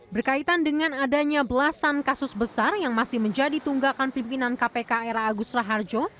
berkaitan dengan adanya belasan kasus besar yang masih menjadi tunggakan pimpinan kpk era agus raharjo